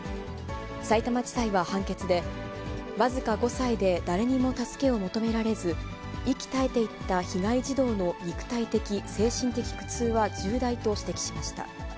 さいたま地裁は判決で、僅か５歳で誰にも助けを求められず、息絶えていった被害児童の肉体的・精神的苦痛は重大と指摘しました。